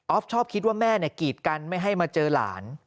ออฟชอบคิดว่าแม่กรีดกันไม่ให้เจอล้าน